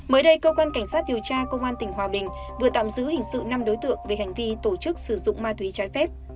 mới đây cơ quan cảnh sát điều tra công an tỉnh hòa bình vừa tạm giữ hình sự năm đối tượng về hành vi tổ chức sử dụng ma túy trái phép